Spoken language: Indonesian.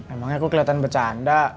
emangnya aku keliatan bercanda